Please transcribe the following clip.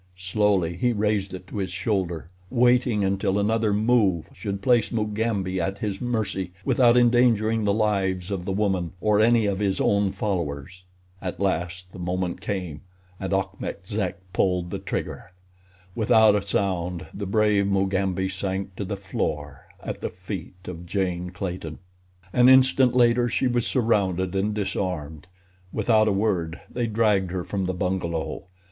Slowly he raised it to his shoulder, waiting until another move should place Mugambi at his mercy without endangering the lives of the woman or any of his own followers. At last the moment came, and Achmet Zek pulled the trigger. Without a sound the brave Mugambi sank to the floor at the feet of Jane Clayton. An instant later she was surrounded and disarmed. Without a word they dragged her from the bungalow.